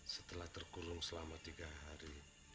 setelah tergulung selama tiga hari